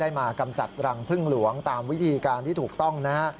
มากำจัดรังพึ่งหลวงตามวิธีการที่ถูกต้องนะฮะ